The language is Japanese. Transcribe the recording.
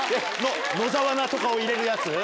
野沢菜とかを入れるやつ？